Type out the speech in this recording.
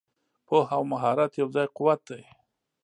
پوهه او مهارت یو ځای قوت دی.